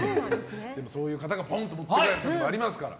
そういう方がポンと持って帰ることもありますから。